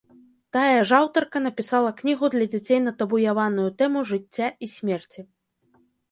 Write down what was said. Тая ж аўтарка напісала кнігу для дзяцей на табуяваную тэму жыцця і смерці.